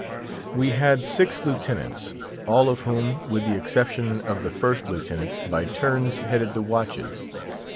We had six lieutenants, all of whom, with the exception of the First Lieutenant, by turns headed the watches.